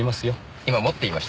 今「も」って言いました？